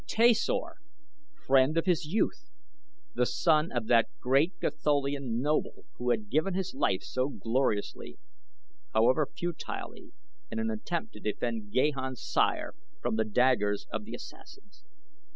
Tasor! Friend of his youth. The son of that great Gatholian noble who had given his life so gloriously, however futilely, in an attempt to defend Gahan's sire from the daggers of the assassins.